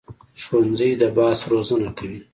ښوونځی د بحث روزنه کوي